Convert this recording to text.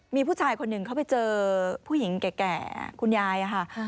มีผู้ชายคนหนึ่งเขาไปเจอผู้หญิงแก่คุณยายค่ะ